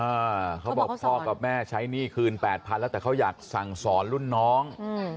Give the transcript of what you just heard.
เขาบอกพ่อกับแม่ใช้หนี้คืนแปดพันแล้วแต่เขาอยากสั่งสอนรุ่นน้องอืม